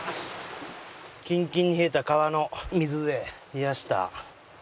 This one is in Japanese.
キンキンに冷えた川の水で冷やした。